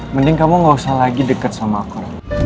mending kamu gak usah lagi dekat sama aku